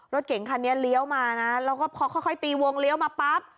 รถเก๋งคันนี้เลี้ยวมานะแล้วก็พอค่อยตีวงเลี้ยวมาปั๊บ